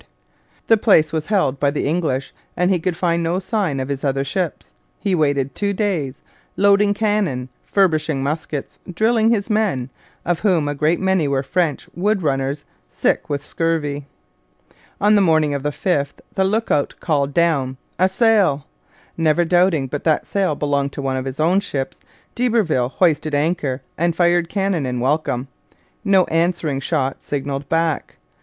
The place was held by the English and he could find no sign of his other ships. He waited two days, loading cannon, furbishing muskets, drilling his men, of whom a great many were French wood runners sick with scurvy. On the morning of the 5th the lookout called down 'A sail.' Never doubting but that the sail belonged to one of his own ships, d'Iberville hoisted anchor and fired cannon in welcome. No answering shot signalled back.